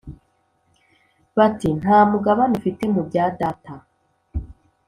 bati “Nta mugabane ufite mu bya data”